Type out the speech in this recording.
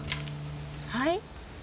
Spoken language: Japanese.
はい？